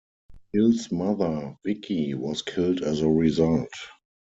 Hill's mother, Vicki, was killed as a result.